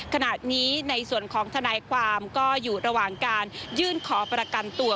ขณะนี้ในส่วนของทนายความก็อยู่ระหว่างการยื่นขอประกันตัว